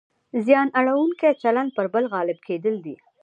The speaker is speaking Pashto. زیان اړونکی چلند پر بل غالب کېدل دي.